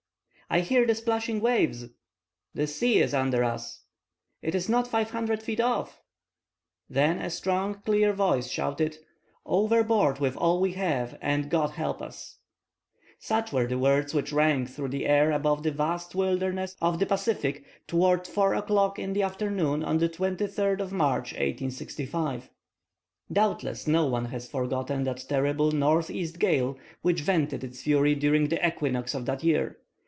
"I hear the splashing waves!" "The sea is under us!" "It is not five hundred feet off!" Then a strong, clear voice shouted:— "Overboard with all we have, and God help us!" Such were the words which rang through the air above the vast wilderness of the Pacific, towards 4 o'clock in the afternoon of the 23d of March, 1865:— Doubtless, no one has forgotten that terrible northeast gale which vented its fury during the equinox of that year.